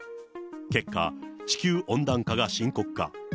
結果、地球温暖化が深刻化。